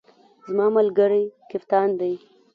زما ملګری کپتان دی